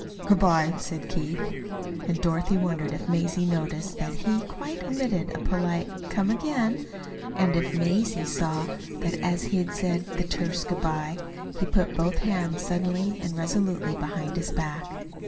"Good bye," said Keith. And Dorothy wondered if Mazie noticed that he quite omitted a polite "Come again," and if Mazie saw that as he said the terse "Good bye" he put both hands suddenly and resolutely behind his back.